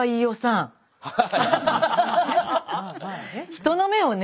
人の目をね